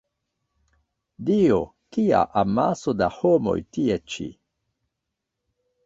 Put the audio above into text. Dio! Kia amaso da homoj tie ĉi!